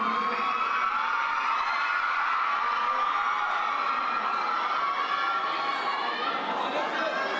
สวัสดีครับ